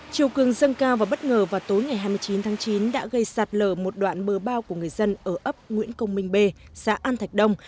chiều cường dâng cao và bất ngờ vào tối ngày hai mươi chín tháng chín đã gây sạt lở một đoạn bờ bao của người dân ở ấp nguyễn công minh bê xã an thạch đông